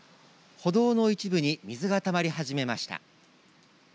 歩道の一部に水がたまり始めました。